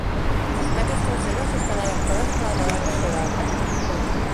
Sus patas traseras están adaptadas para nadar bajo el agua.